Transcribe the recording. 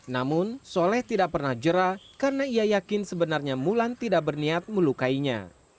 namun soleh tidak pernah jerah karena ia yakin sebenarnya mulan tidak berniat melukainya